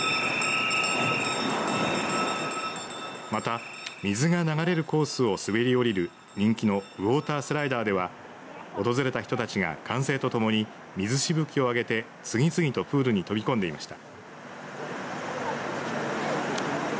また、水が流れるコースを滑り降りる人気のウオータースライダーでは訪れた人たちが歓声とともに水しぶきを上げて、次々とプールに飛び込んでいました。